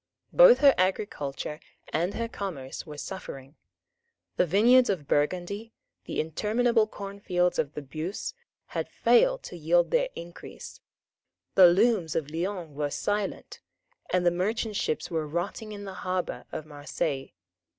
Both her agriculture and her commerce were suffering. The vineyards of Burgundy, the interminable cornfields of the Beauce, had failed to yield their increase; the looms of Lyons were silent; and the merchant ships were rotting in the harbour of Marseilles.